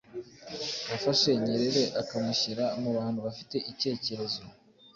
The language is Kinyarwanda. wafashe Nyerere akamushyira mu bantu bafite icyekerezo